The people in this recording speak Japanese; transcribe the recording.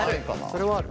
それはある。